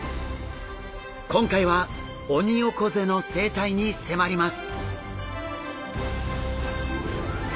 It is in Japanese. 今回はオニオコゼの生態に迫ります。